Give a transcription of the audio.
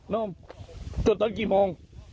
น้อมจุดตอนกี่โมง